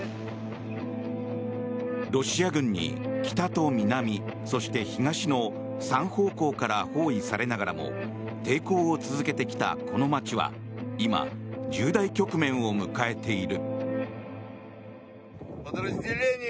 ロシア軍に北と南そして東の３方向から包囲されながらも抵抗を続けてきたこの街は今重大局面を迎えている。